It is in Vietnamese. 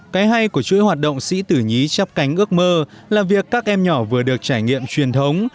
cái hay của chuỗi hoạt động sĩ tử nhí chắp cánh ước mơ là việc các em nhỏ vừa được trải nghiệm truyền thống